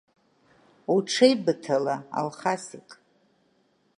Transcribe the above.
Уҽеибыҭала, Алхасик.